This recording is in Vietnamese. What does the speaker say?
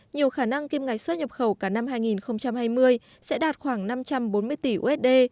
nhiều khả năng kim ngạch xuất nhập khẩu cả năm hai nghìn hai mươi sẽ đạt khoảng năm trăm bốn mươi tỷ usd